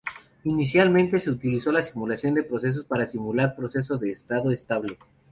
Inicialmente, se utilizó la simulación de procesos para simular procesos de estado estable.